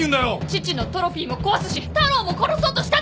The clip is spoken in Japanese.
父のトロフィーも壊すし太郎も殺そうとしたでしょう！